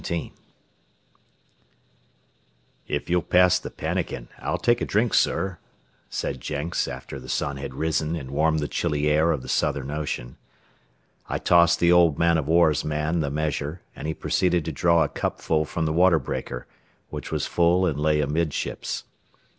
XVII "If you'll pass the pannikin, I'll take a drink, sir," said Jenks, after the sun had risen and warmed the chilly air of the southern ocean. I tossed the old man o' war's man the measure, and he proceeded to draw a cupful from the water breaker, which was full and lay amidships.